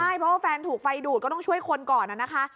ใช่เพราะว่าแฟนถูกไฟดูดก็ต้องช่วยคนก่อนนะคะ